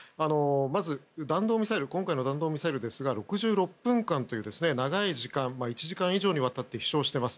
まず、今回の弾道ミサイルですが６６分間という長い時間１時間以上にわたって飛翔しています。